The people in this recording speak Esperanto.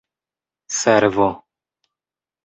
servo